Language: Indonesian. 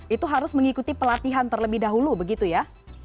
itu harus mengikuti pelatihan terlebih dahulu begitu ya